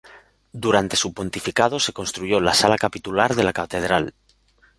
Durante su pontificado se construyó la Sala capitular de la catedral.